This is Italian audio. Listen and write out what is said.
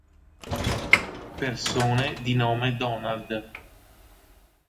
Persone di nome Donald